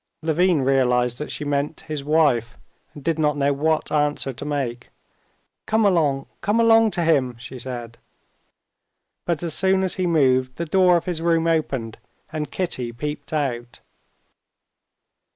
Levin realized that she meant his wife, and did not know what answer to make. "Come along, come along to him!" he said. But as soon as he moved, the door of his room opened and Kitty peeped out.